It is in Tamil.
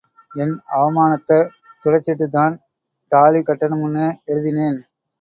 என் அவமானத்தத் துடச்சிட்டுத்தான் தாலி கட்டணுமுன்னு எழுதினேன்.